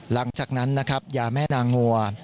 หลังจากนั้นนะครับยาแม่นางัว